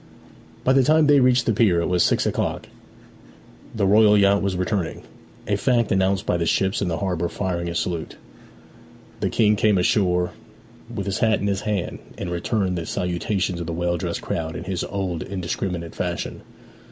By the time they reached the pier it was six o'clock; the royal yacht was returning; a fact announced by the ships in the harbour firing a salute. The King came ashore with his hat in his hand, and returned the salutations of the well dressed crowd in his old indiscriminate fashion.